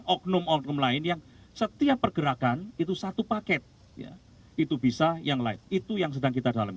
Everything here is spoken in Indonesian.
oknum oknum lain yang setiap pergerakan itu satu paket itu bisa yang light itu yang sedang kita dalami